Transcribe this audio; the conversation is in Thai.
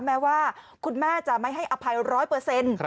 แม้ว่าคุณแม่จะไม่ให้อภัยร้อยเปอร์เซ็นต์